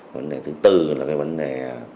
vấn đề thứ tư là vấn đề